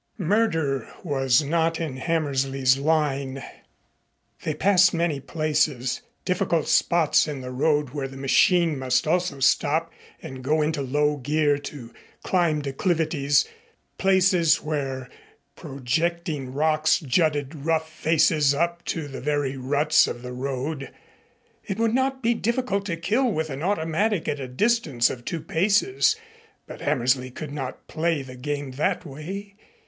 Murder was not in Hammersley's line. They passed many places, difficult spots in the road where the machine must almost stop and go into low gear to climb declivities, places where projecting rocks jutted rough faces up to the very ruts of the road. It would not be difficult to kill with an automatic at a distance of two paces, but Hammersley could not play the game that way.